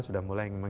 itu juga game